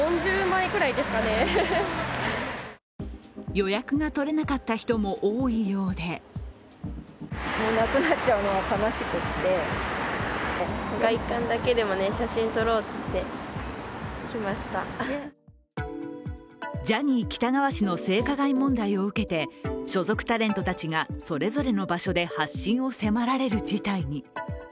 予約が取れなかった人も多いようでジャニー喜多川氏の性加害問題を受けて所属タレントたちがそれぞれの場所で発信を迫られる事態に。